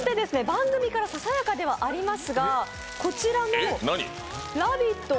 番組からささやかではありますが、こちらの「ラヴィット！」